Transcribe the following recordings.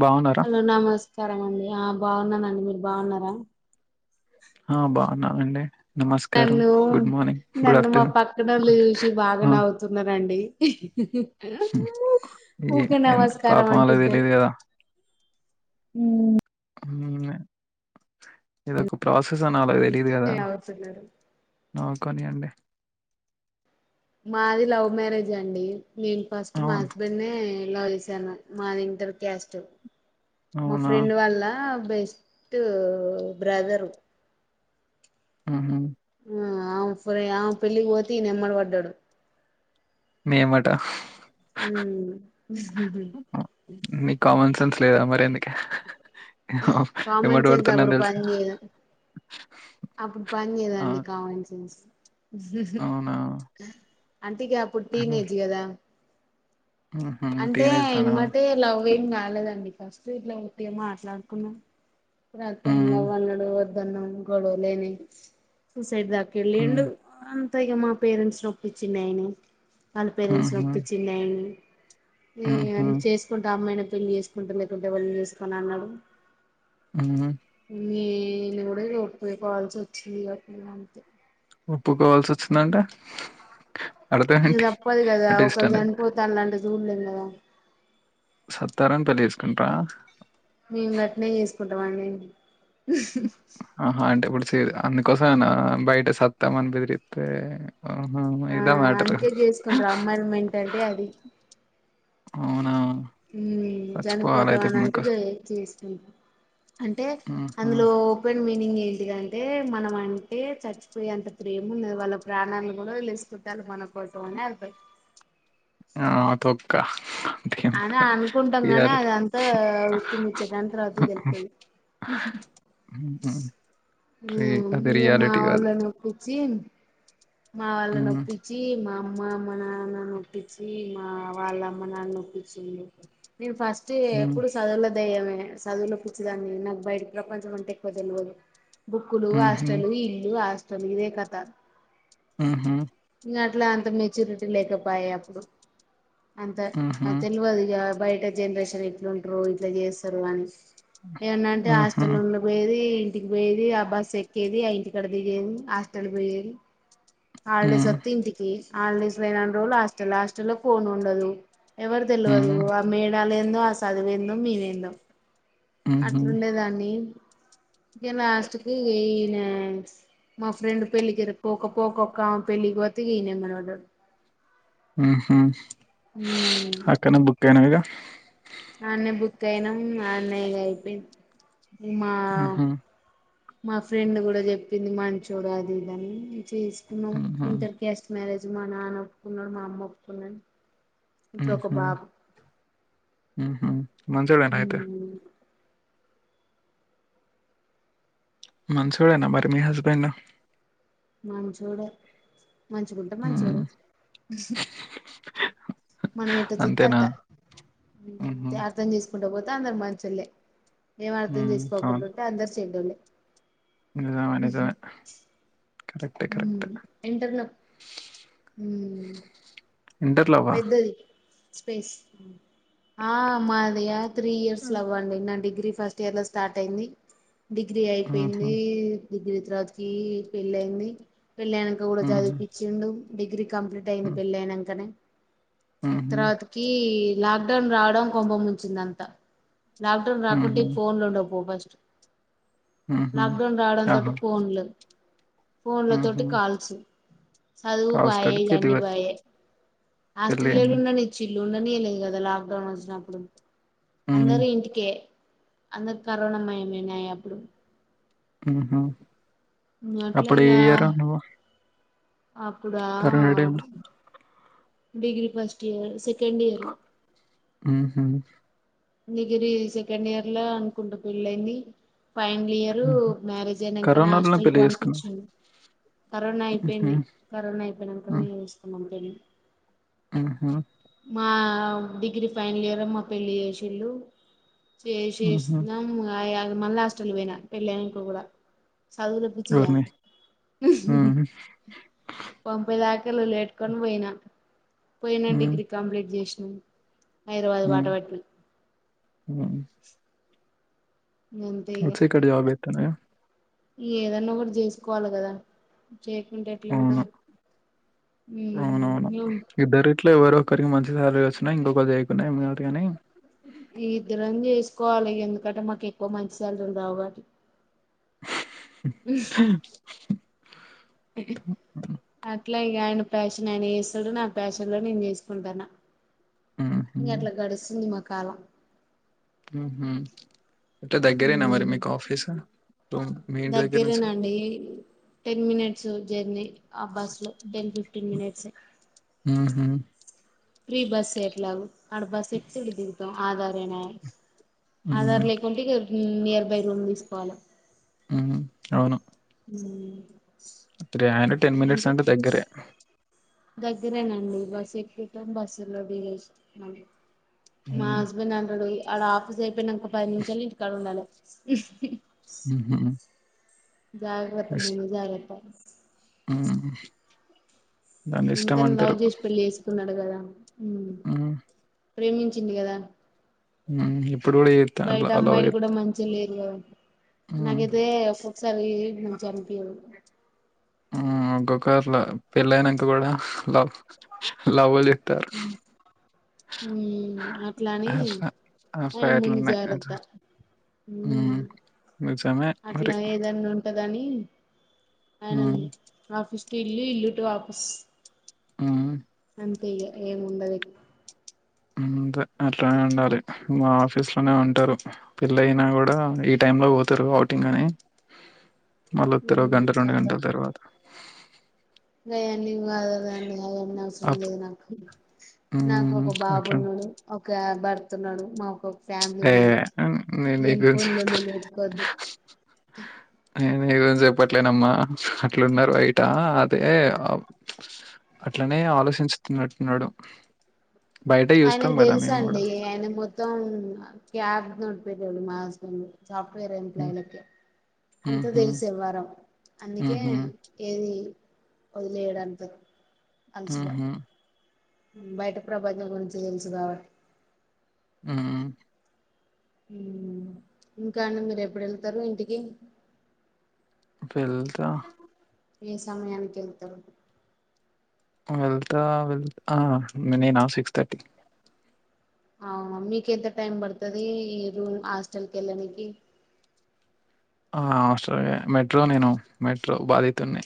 బాగున్నారా హలో నమస్కారం అండి ఆ బాగున్నానండి మీరు బాగున్నారా ఆ బాగున్ననండి నమస్కారం నన్ను గుడ్ మార్నింగ్ గుడ్ నన్ను మా ఆఫ్టర్నూన్ పక్కనోళ్ళు చూసి బాగా అ నవ్వుతున్నారండి ఏ ఊకే ఎందు నమస్కారం పాపం వాళ్ళకి అంటుంటే తెలీదు కదా మ్ నినే ఇదొక ప్రాసెస్ అని అల్లకి తెలీయదు కదా అవుతున్నారు అ కొనియండి మాది లవ్ మ్యారేజ్ అండి నేను ఫస్ట్ మా అవును హస్బెండ్ నే లవ్ చేశాను మాది ఇంటర్ క్యాస్ట్ మా అవునా ఫ్రెండ్ వల్ల బెస్ట్ బ్రదరు ఆహా ఆ ఆమే ఫ్రె ఆమే పెళ్ళికి పోతే ఈయన్నేమ్మటి పడ్డాడు ని ఎమ్మాట నీకు కామన్ సెన్స్ లేదా మరి ఎందుకే ఎమ్మట కామన్ సెన్స్ పడుతున్నాను అప్పుడు తెలుసుగా పనిచెయ్యదు అప్పుడు ఆ పనిచేయదండి కామన్ సెన్స్ అవునా అంటే ఇగ అప్పుడు టీనేజ్ కదా ఊహూ అంటే టీనేజ్ లోనా ఏమ్మటే లవ్ ఏం కా కలేదండి ఫస్ట్ ఇట్లా ఉత్తిగా మాట్లాడుకున్నం తరువాతికి ఆయన హ్మ్ లవ్ అన్నడు దన్నం గొడవలైనయి సూసైడ్ హ్మ్ దాకేళ్ళిండు అం త్త ఇగా మా పేరెంట్స్ ఓప్పించిండు ఆయనే వాళ్ళ పేరెంట్స్ ఊహూ ఒప్పి అ ఊహూ చేసుకుంటే ఆ అమ్మాయినే నపెళ్లి చేసుకుంటా లేకుంటే ఎవల్ని చేసుకోనన్నాడు అఆ నేను కూడా ఇగ ఒప్పుకోవాల్సి వచ్చింది కాబట్టిగా అంతే ఒప్పుకోవాల్సి వచ్చిందంటే అర్థం ఇగ ఏంటి తప్పదు కదా అంటే ఇష్టం ఒకలు లేదు చనిపోతాలాంటే చూడలేం కదా సత్తారాని పెళ్లి చేేసుకుంటార మేము గట్నే చేసుకుంటామండి ఆహా అంటే ఇప్పుడు చే అందుకోసమేన బయట సత్తామని బెదిరితే అహ ఆ ఇదా మ్యటర్ అందుకే చేసుకుంటారు అమ్మాయిల మెంటాలిటీ అది అవునా మ్ చనిపోదాం చచ్చిపోవాలయితే అని ఇప్పుడు అంటే బ్ మీకోసం. చేస్తుకుం అంటే ఆహా! అందులో ఓపెన్మ్ నింగ్ ఏంటిదంటే మనం అంటే చచ్చిపోయేంత ప్రేమ ఉన్నది వాళ్ళ ప్రాణాలు కూడా వదిలేసుకుంటారు మన కోసమనే అంత్ ఆ తోక్క అని అనుకుంటాం కానీ అదంతా ఉత్తిముచ్చటని తరువాతికి తెలుత్తది ఉ మ్ హు ఇంగ మా వాళ్ళను ఒప్పిచ్చి మా వాళ్ళ హ్మ్. నొప్పించి మా అమ్ మా అమ్మ నాన్న నొప్పించి మా వాళ్ళమ్మ నాన్న నొప్పించ్చిండు నేను ఫస్ట్ హ్మ్. ఇప్పుడు సదువలేద్ దయమే చదువులో పిచ్చిదాన్ని నాకు బయటి ప్రపంచం అంటే ఎక్కువ తెలియదు బుక్కులు హుహు. హాస్టల్ ఇల్లు హాస్టల్ ఇదే కథ హు హమ్ ఇంక అట్లా అంత మెచ్యూరిటీ లేకపోయా అప్పుడు అంత హుహు. తెలవదు గా బయ ఇ జనరేషన్ ఇట్లుంటారు ఇట్లా చేస్తారు అని ఏమన్నాంటే హుహు. హాస్టల్ ఉండ పోయది ఇంటికి పోయేది ఆ బస్ ఎక్కేది ఆ ఇంటి కడ దిగేది హాస్టల్కి పోయేది హాలిడేస్ హ్మ్. వత్తే ఇంటికి హాలిడేస్ లే నన్ని రోజులు హాస్టల్ హాస్టల్ లో ఫోన్ ఉండదు ఎవరు తెలియదు హ్మ్. ఆ మేడాల ఏందో ఆ చదువేందో మేవేందో హుహు. అట్లుండేదాన్ని ఇంకా [unintelligible] లాస్ట్ క ఈన మా ఫ్రెండ్ పెళ్ళకిర పోక పోక ఒక్క పెళ్ళకి పోతే ఇయన ఎమ్మటి పడ్డడు హు హమ్ అక్కనే బుక్ అయినవా ఇగ అడనే బుక్ అయినాం అడనే ఇగ అయిపోయింది మా హుహు. మా ఫ్రెండ్ కూడా చెప్పింది మంచోడు అది ఇది అని చేసి హుహు. ఇంటర్ క్యాస్ట్ మ్యారేజ్ మా నాన్న ఒప్పుకున్నాడు మా అమ్మ ఒప్పుకుంది అని హ హమ్ హ హమ్ మంచోల్లేనా అయితే ఉమ్ మంచోడేనా మరి మీ హస్బెండ్ మంచోడే మంచి గుంటే మంచోడే హ్మ్. మనం ఎట్ట చుత్తే అంతేనా? అట్ట హుహు. అర్థం చేసు కుంట పోతే అందరు మంచోళ్లే ఏం అర్థం హ్మ్. చేసుకోకుండా అవును. ఉంటే అందరు చెడ్డోళ్ళే నిజమే నిజమే కరెక్టే. ఉం కరెక్టే. ఎంటేర్ ఉం ఇంటర్ లవ్వా స్పేస్ ఆ మాది ఆ త్రీ ఇయర్స్ హ్మ్. లవ్వండి నా డి డిగ్రీ ఫస్ట్ ఇయర్ లో స్టార్ట్ అయింది డిగ్రీ హుహు. అయిపోయింది డిగ్రీ తర్వాతికి పెళ్ళయింది పెళ్ళయినక కూడా హుహు. చదివిపించిండు డిగ్రీ కంప్లీట్ అయింది హ్మ్. పెళ్ళి అయినంకనే హుహు. తర్వాతకి లాక్డౌన్ రావడం కొంప ముంచింది అంతా లాక్డౌన్ రాకుంటే హుహు. ఈ ఫోన్ లు ఉండవు పో ఫస్ట్ హుహు. లాక్ డౌన్ రావడంతోటి ఆహా! ఫోన్లు ఫోన్ల తోటి హుహు. కాల్సు చదువు కావ్స్ బాయే తోటి పెళ్లి ఇగన్నీ వరకు బాయే హాస్టల్ లో ఎడ పెళ్లయింది. ఉండని నిచిల్లు ఉండనీయ లేదు కదా లాక్డౌన్ వచ్చినప్పుడు హ్మ్. అందరు ఇంటికే అందరు కరోనా మయమేనా అప్పుడు ఆహా అట్లా అప్పుడు ఇగ ఏ ఇయర్ నువ్వు అప్పుడా కరోనా టైమ్‌లో? Degree first year second year హూ హమ్ డిగ్రీ సెకండ్ ఇయర్ లో అనుకుంట పెళ్ళయింది ఫైనల్ ఇయరు హుహు. మ్యారేజ్ అయినాంకనే కరోనాలోనే హాస్టల్ కు పెళ్లి చేసుకున్నావా? పంపిచిండు కరోనా హుహు. అయిపోయింది కరోనా అయిపోయినంకనే చేసుకున్నాం పెళ్లి ఆహా మా డిగ్రీ ఫైనల్ ఇయర్ లో మా పెళ్ళి చేసిళ్ళు హుహు. చేసేసినం మళ్ళీ హాస్టల్ పోయినా పెళ్లి అయినంక కూడా సదువులపిచ్చిగా ఎవరిని? హ్మ్. పంపె దాక క్కలు లేట్టుకొని పోయినా పోయినా హ్మ్. డిగ్రీ కంప్లీట్ జేసినను హైదరాబాద్ హ్మ్. బాటపట్టిన హ్మ్. వచ్చే కడియ వెంటనే ఏదన్నా కూడా జేసుకోవాలి కదా చేకుంటే ఇట్లా ఉండం అవును. మ్మ్మ్మ్ ఇంట్లో ఎవరో ఒకరికి మంచి సాలరీ వచ్చిన ఇంకొకరు చేయకున్నా ఏం అనరు కానీ ఇద్దరం జేసుకోవాలి ఎందుకంటే మాకు ఎక్కువ మంచి సాలరీలు రావాలి అ ఇట్లయ్ గాయన ప్యాషన్ ఆయన చేస్తడు నా ప్యాషన్లో నేను చేసుకుంటాను ఉహు ఇంక అట్ల గడుస్తుంది మా కాలం మ్ హు అంటే దగ్గరేనా మరి హ్మ్ మీకు ఆఫీసు మీ ఇంటి దగ్గర నుంచి దగ్గరేనండి టెన్ మినిట్స్ జర్నీ ఆ బస్లో టెన్ ఫిఫ్టీన్ మినిట్సే మ్ ప్రీ బస్సే ఎట్లగో ఆడ బస్ ఎక్కితే ఇటు దిగుతాం ఆధారేనే ఉహు ఆధార్ లేకుంటే ఇగ నియర్ బై రూమ్ తీసుకోవాలి మ్మ్ అవును మ్మ్ తిరుయానే టెన్ మినిట్స్ అంటే దగ్గరే దగ్గరేనండి బస్ ఎక్కుత బస్సులో దిగేసి మళ్ళీ మా హస్బెండ్ అంటడు అడ ఆఫీస్ అయిపోయినాంక పది నిమిషాల్లో ఇంటికాడ ఉండాలి మ్ హు జాగ్రత్త ముందు జాగ్రత్త మ్ ఎంత అన్న లవ్ జేసి పెళ్ళి చేసుకున్నాడు కదా మ్ ఉమ్ ప్రేమించిండు కదా ఉమ్ ఇప్పుడు కూడా చేత్తా అట్లా బయట లవ్ అమ్మాయిలు చేత్ కూడా మంచిగా లేరు గద ఉమ్ నాకైతే ఒకసారి మంచిగ అనిపియదు ఒక్కొక్కర్ల పెళ్ళి అయినంక కూడా లవ్ లవ్లీ మ్ మ్ అట్లాని అట్లా అట్లా ఆయన ముందు అట్లున్నాయి జాగ్రత్త ఉమ్ మ్మ్ నిజమే మరి. అట్లా ఏదన్నా ఉంటద్ దని ఆయన హ్మ్. ఆఫీస్కి ఎళ్ళి ఇల్లు డోపస్ హ్మ్ అంతే ఇగ ఏముండది అంతే అట్లనే ఉండాలి మా ఆఫీస్ లోనే ఉంటారు పెళైయినా కూడా ఈ టైం లో పోతారు ఔటింగ్ అని మళ్ళీ వత్తరు ఒ ఉమ్ గంట రెండు కథ గంటల తర్వాత ఏం కాదు లేండి అయన్ని అవసరం అప్ లేదు నాకు నాకు హ్మ్. ఒక బాబు అట్లా ఉన్నడు ఒక భర్ తున్నాడు మాకు ఫ్యామిలీ ఏ ఉన్నది నేను నీ లేని గురించి పోన్లు అన్ని చెప్తాలే. లెకొద్దు నేను ఏదో చెప్పట్లేనమ్మా అట్లున్నారు బయట అదే అ అట్లనే ఆలోచించుతున్నట్టున్నాడు ఆయనకు దెలుసండీ ఆయన మొత్తం క్యాబ్ నడిపెటోడు మా హస్బెండ్ సాఫ్ట్ వేర్ ఎంప్లాయ్ హ్మ్. లకె హుహు. అంతదెలుసెవ్వారం అందుకే హుహు. ఏదీ ఒదిలేయడంత ఊహూ బయట ప్రపంచం గురించి దెలుసు కావ ఊ ఊ ఇంకా అండి మీరెప్పుడెళ్తరూ ఇంటికీ ఎల్తా ఏ సమయానికెల్తరు వెళ్తా వెళ్తా నేనా సిక్స్ థర్టీ కి అవున మీకెంత టైం బడుతదీ రూమ్ హాస్టల్ కెళ్ళనీకీ ఆ హాస్టలే మెట్రో నేనూ మెట్రో బాధితున్ని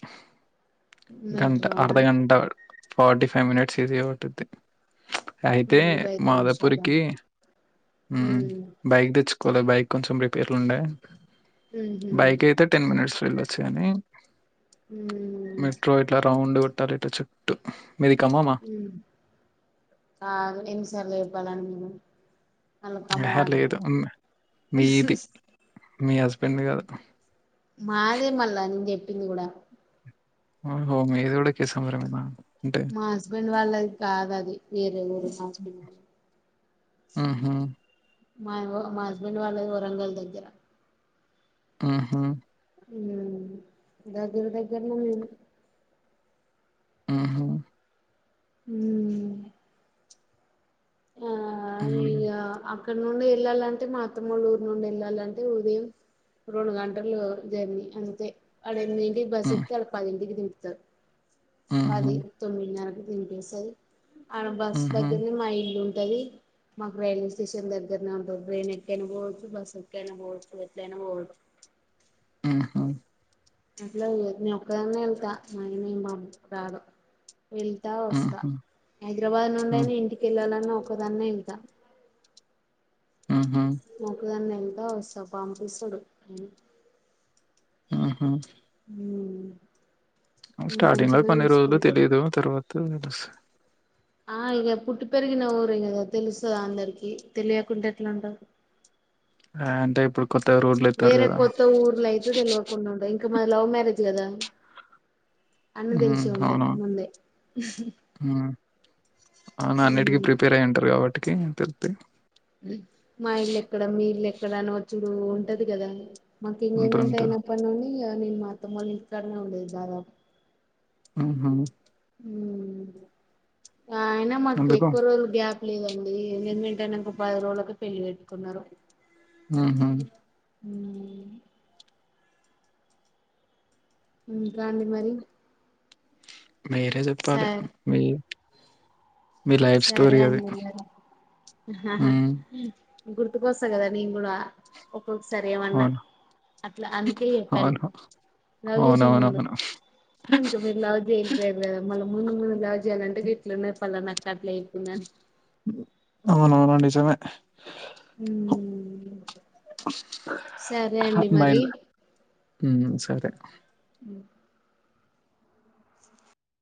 గంట మెట్రోనా అర్ధగంట ఫోర్టీ ఫై మినట్స్ ఈజీగా పట్టిద్ది అయితే నలభై ఐదు నిమిషాలా మాదాపురికీ ఊ ఉమ్ బైక్ దెచ్చు కొలె బైక్ కొంచెం రిపేర్లుండే ఉహు బైకయితె టెన్ మి నెట్స్ వెళ్లొచ్చు గనీ ఉమ్ మెట్రో ఇట్లా రౌండ్ గొట్టాలి ఇట్ల చుట్టు ఊ ఆగు ఎన్నిసార్లు యెప్పాలానికి నేనూ యెహే లేదు మ్ మీది మీ హస్బెండ్ ది గాదు మాదే మళ్ళా నెన్ జెప్పింది గుడా ఓహో మీది గూడ కేసముద్రమేనా అంటే మా హస్బెండ్ వాళ్ళది కాదది వేరే ఊరు మా హస్బెండ్ వాళ్ళు ఊహూ మావో మా హస్బెండ్ వాళ్ళది ఒరంగల్ దగ్గెర ఊహూ ఊ దగ్గర దగ్గరలో ఊహూ మ్మ్ ఉ ఇగ అక్కడ నుండి ఎళ్ళాలంటే మా అత్తమ్మ ఊరు నుండెళ్ళాలంటే ఉదయం రొండు గంటలూ జర్నీ అంతే అడ ఎన్మిదింటి కి హ్మ్ బస్సెక్కుతే ఆడ పదింటికి దింపితారు మ్మ్ పది హ్మ్ తొమ్మిదిన్నరకు దింపేస్తది ఆడ బస్ హుహు. దగ్గర్లనే మా ఇల్లుంటదీ మాకు రైల్వే స్టేషన్ దగ్గర్నే ఉంటది ట్రైన్ ఎక్కైనా బోవొచ్చు బస్సు ఎక్కైనా బోవొచ్చు ఎట్లయినా బోవొచ్చు టిక్ ఆహా అట్లై నేనొక్కదాన్నే ఎళ్తా మా [unintelligible] రాడు వెళ్తా వస్తా హుహు. హైద్రాబాద్ హ్మ్. నుండైనా ఇంటికెళ్ళాలన్నా ఒక్కదాన్నే ఏల్తా ఊహూ ఎల్తా ఒస్త పంపిస్తడు ఊహూ ఊ స్టార్టింగ్ లో కొన్ని రోజులు తెలీదూ తరువాత తెలుస ఆ ఇగ పుట్టి పెరిగిన ఊరే గదా తెలుస్తదాందరికీ తెలియకుంట ఎట్లున్టది ఎంత వస్తా పంపిస్తాడు ఆ అంటే ఇప్పుడు కొత్తగా రోడ్లెత్తారు వేరే గదా! కొత్త ఊర్లో అయితే తెలియకుండా ఉండ ఇంక మా లవ్ మ్యారేజ్ కదా అన్ని హ్మ్. తెలిసు ఉంటయి అవును. ముందే అవునా అన్నిటికీ ప్రిపేర్ ఉమ్ అయ్యింటారు కాబట్టికి తెలుతే మా ఇల్లు ఎక్కడ మీ ఇల్లు ఎక్కడని చుడు ఉంటది కదా మాకు ఉంటూ ఎంగేజ్మెంట్ ఉంటారు. అయినప్పటి నుండి నేను మా అత్తమ్మ ఇంటి కాడనె ఉండేదాన్ని దాదాపు ఊహు అయిన మాకు ఎందుకు? ఎక్కువ రోజులు గ్యాప్ లేదండి నేను ఇంటర్ పది రోజులక పెళ్లి పెట్టుకున్నారు ఊహు ఇంకా అండి మరి మీరే స చెప్పా లె మీ మీ లైఫ్ సరే స్టోరీ అది. అండి మరి హ్మ్. గుర్తుకొస్తా కదా నేను కూడ ఒకసారి ఏమన్నా అవును. అట్లా అందుకే చెప్పాను అవును. లవ్ చేసే ముందు అవునవునవును. ఇంక మీరు లవ్ చే కదా మళ్ ముందు మేము లవ్ చేయాలంటే గిట్ల ఉన్నాయి పలాన అక్క అట్లా చెప్పిందని అవునవును నిజమే హూ అహ మైయ్ మరి మ్ సరే మ